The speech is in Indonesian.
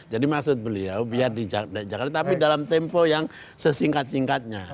jadi maksud beliau biar di jakarta tapi dalam tempo yang sesingkat singkatnya